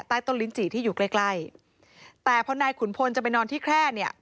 ใต้ต้นลิ้นจี่ที่อยู่ใกล้ใกล้แต่พอนายขุนพลจะไปนอนที่แคร่เนี่ย